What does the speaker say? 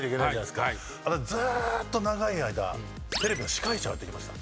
ずっと長い間テレビの司会者をやってきました。